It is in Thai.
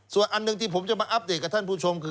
ส่วนอันหนึ่งที่ผมจะมาอัปเดตกับท่านผู้ชมคือ